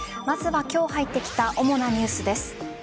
まずは今日入ってきた主なニュースです。